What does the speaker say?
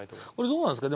どうなんですか？